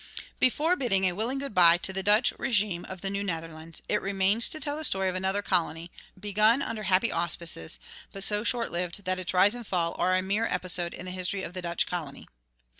Before bidding a willing good bye to the Dutch régime of the New Netherlands, it remains to tell the story of another colony, begun under happy auspices, but so short lived that its rise and fall are a mere episode in the history of the Dutch colony.